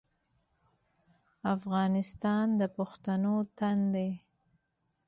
افغانستان د پښتنو تن دی